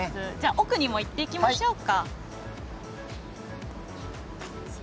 奥にも行っていきましょうか。